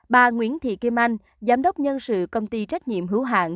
bà nguyễn thị kim anh giám đốc nhân sự công ty trách nhiệm hữu hạng